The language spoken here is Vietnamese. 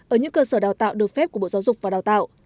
ở những cơ sở đào tạo được phép của bộ giáo dục và đào tạo